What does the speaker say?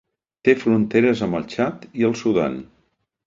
Té fronteres amb el Txad i el Sudan.